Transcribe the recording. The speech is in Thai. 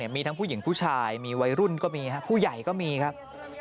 มีทั้งผู้หญิงผู้ชายมีวัยรุ่นก็มีครับผู้ใหญ่ก็มีครับ